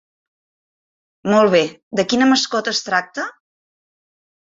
Molt bé, de quina mascota es tracta?